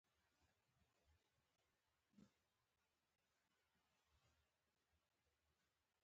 تکي شنې شپيشتي. که لهجه دي کندهارۍ نه ده مې وايه